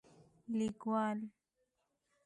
لیکوال: